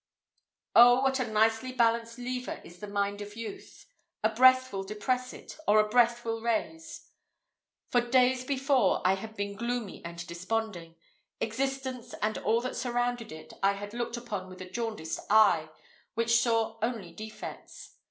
Oh what a nicely balanced lever is the mind of youth! a breath will depress it, or a breath will raise. For days before, I had been gloomy and desponding. Existence, and all that surrounded it, I had looked upon with a jaundiced eye, which saw only defects.